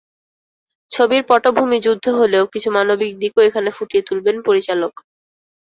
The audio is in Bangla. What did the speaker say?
ছবির পটভূমি যুদ্ধ হলেও কিছু মানবিক দিকও এখানে ফুটিয়ে তুলবেন পরিচালক।